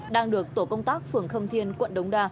đang được tổ công tác phường khâm thiên quận đống đa